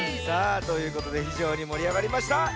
さあということでひじょうにもりあがりました。